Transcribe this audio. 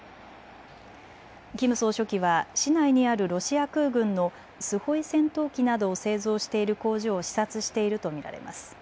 キム総書記は市内にあるロシア空軍のスホイ戦闘機などを製造している工場を視察していると見られます。